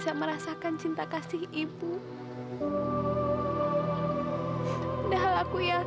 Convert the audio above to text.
sampai sekarang aku berkoalan